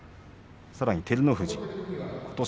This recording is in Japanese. さらに照ノ富士ことし